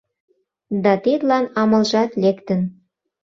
Да тидлан амалжат лектын.